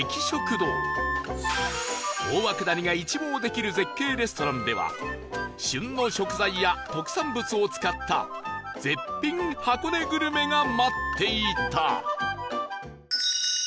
大涌谷が一望できる絶景レストランでは旬の食材や特産物を使った絶品箱根グルメが待っていた